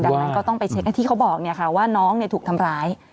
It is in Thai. ดังนั้นก็ต้องไปเช็คที่เขาบอกเนี่ยค่ะว่าน้องเนี่ยถูกทำร้าย